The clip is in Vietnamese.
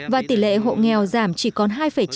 và tỷ lệ hộ nghèo giảm chỉ còn hai chín